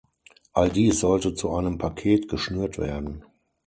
All dies sollte zu einem Paket geschnürt werden.